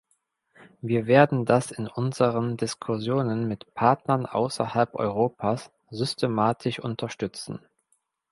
Wir werden das in unseren Diskussionen mit Partnern außerhalb Europas systematisch unterstützen.